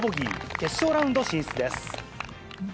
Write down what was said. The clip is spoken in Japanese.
決勝ラウンド進出です。